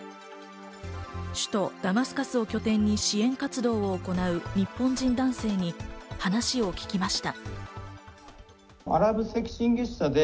首都ダマスカスを拠点に支援活動を行う日本人男性に話を聞きました。